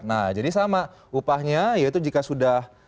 nah jadi sama upahnya yaitu jika sudah